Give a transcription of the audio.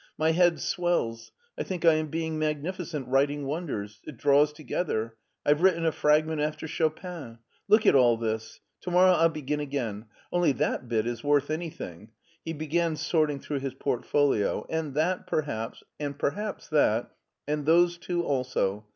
My head swells. I think I am being magnificent, writing wonders ! It draws together, I've written a fragment after Chopin! Look at all this! To morrow I'll begin again. Only that bit is worth anything "— ^he began sorting through his portfolio— '' and that, perhaps, and perhaps that, and those two also.